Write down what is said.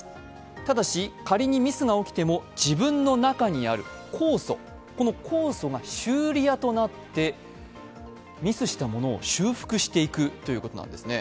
ただし、仮にミスが起きても自分の中にある酵素が修理屋となってミスしたものを修復していくということなんです。